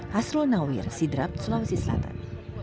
hasrul nawir sidrap sulawesi selatan